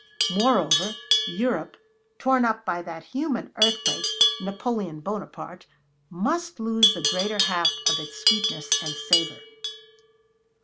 Moreover, Europe, torn up by that human earthquake, Napoleon Bonaparte, must lose the greater half of its sweetness and savor.